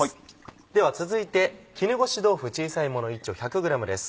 では続いて絹ごし豆腐小さいもの１丁１００ｇです。